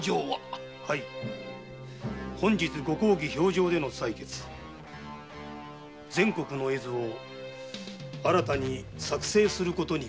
本日のご公儀評定での裁決は全国の絵図を新たに作成することにございます。